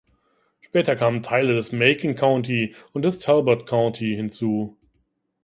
Später kamen Teile des Macon County und des Talbot County hinzu.